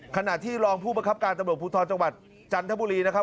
ขณะที่รองผู้ประคับการตำรวจภูทรจังหวัดจันทบุรีนะครับ